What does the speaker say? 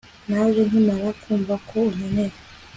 naje nkimara kumva ko unkeneye